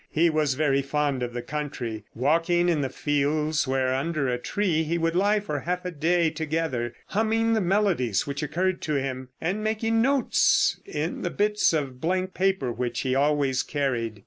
He was very fond of the country, walking in the fields, where under a tree he would lie for a half day together, humming the melodies which occurred to him, and making notes in the bits of blank paper which he always carried.